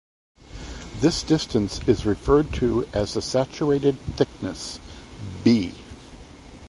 This distance is referred to as the saturated thickness, "b".